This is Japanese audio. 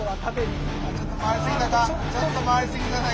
ちょっと回り過ぎたか。